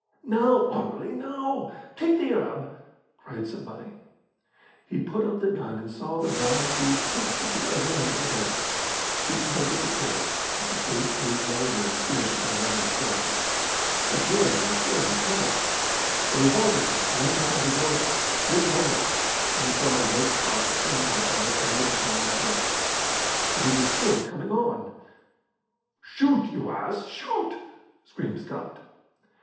"Now, Anerley, now! Take the Arab!" cried somebody. He put up the gun and saw the brown fierce face at the other end of the barrel. He tugged at the trigger, but the face grew larger and fiercer with every stride. Again and again he tugged. A revolver shot rang out at his elbow, then another one, and he saw a red spot spring out on the Arab's brown breast. But he was still coming on. "Shoot, you ass, shoot!" screamed Scott.